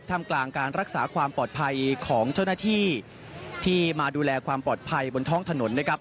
ทำกลางการรักษาความปลอดภัยของเจ้าหน้าที่ที่มาดูแลความปลอดภัยบนท้องถนนนะครับ